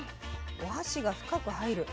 お箸が深く入る。